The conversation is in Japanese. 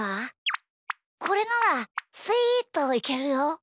これならスイっといけるよ！